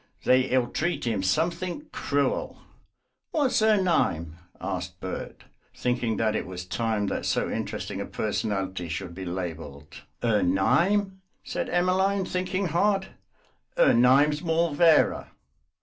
They ill treat 'im somethink cruel." "Wot's 'er nime?" asked Bert, thinking that it was time that so interesting a personality should be labelled. "'Er nime?" said Emmeline, thinking hard, "'er nime's Morlvera."